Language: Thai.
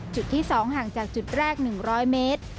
จุดที่๒ห่างจากจุดแรก๑๐๐เมตร